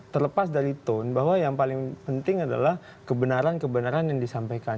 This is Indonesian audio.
terlepas dari tone bahwa yang paling penting adalah kebenaran kebenaran yang disampaikan